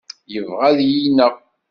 Yebɣa ad iyi-ineɣ.